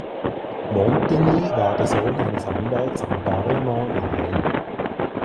Montigny war der Sohn eines Anwalts am Parlement in Rennes.